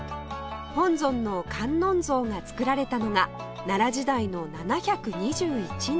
本尊の観音像が作られたのが奈良時代の７２１年